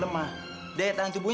nemangnya aku nunggu mungkin